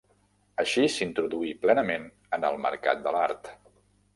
Així s'introduí plenament en el mercat de l'art.